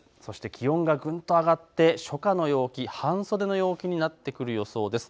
気温がぐっと上がって初夏の陽気、半袖の陽気になってくる予想です。